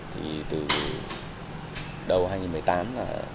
thì từ đầu hai nghìn một mươi tám là